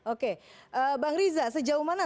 oke bang riza sejauh mana